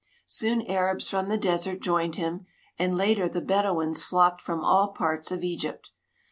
Soon Arabs from the desert joined him, and later the Bedouins flocked from all parts of Egypt.